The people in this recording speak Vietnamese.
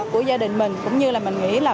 của gia đình mình cũng như là mình nghĩ là